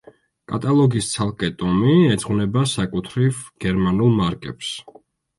კატალოგის ცალკე ტომი ეძღვნება საკუთრივ გერმანულ მარკებს.